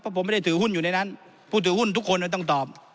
ผมไม่ได้ถือหุ้นอยู่ในนั้นผู้ถือหุ้นทุกคนต้องตอบ